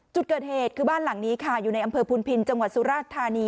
จุดเกิดเหตุคือบ้านหลังนี้ค่ะอยู่ในอำเภอพุนพินจังหวัดสุราชธานี